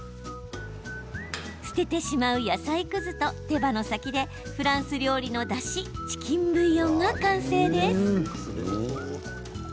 捨ててしまう野菜くずと手羽の先でフランス料理のだしチキンブイヨンが完成です。